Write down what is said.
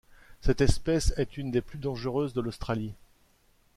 Cette espèce est une des plus dangereuses de l'Australie.